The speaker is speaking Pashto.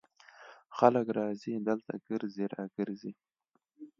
خلک راځي دلته ګرځي را ګرځي.